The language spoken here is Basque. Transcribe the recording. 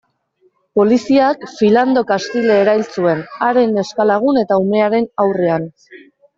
Poliziak Philando Castile erail zuen, haren neska-lagun eta umearen aurrean.